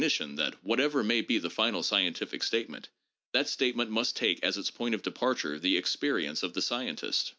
273 nition that, whatever may be the final scientific statement, that statement must take as its point of departure the experience of the scientist